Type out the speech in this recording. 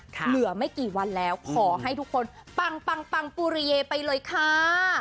เหลือไม่กี่วันแล้วขอให้ทุกคนปังปูริเยไปเลยค่ะ